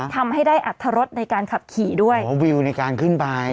ทำให้ได้อัตรรสในการขับขี่ด้วยอ๋อวิวในการขึ้นไป